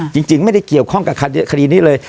จริงไม่ได้เกี่ยวข้องกับคดีนี้เลย